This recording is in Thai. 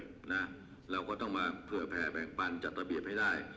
เราก็ต้องมาเผื่อแผ่แบ่งปันจัดระเบียบให้ได้